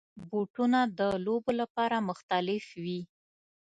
بوټونه د لوبو لپاره مختلف وي.